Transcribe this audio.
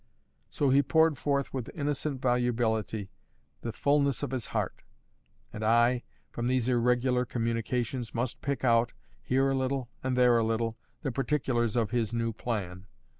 So he poured forth with innocent volubility the fulness of his heart; and I, from these irregular communications, must pick out, here a little and there a little, the particulars of his new plan.